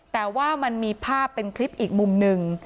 แต่ว่ามันมีภาพเป็นคลิปอีกมุมหนึ่ง